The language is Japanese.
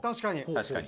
確かに。